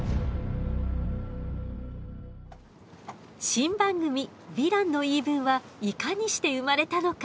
新番組「ヴィランの言い分」はいかにして生まれたのか。